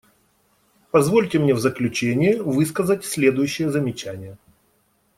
Позвольте мне в заключение высказать следующие замечания.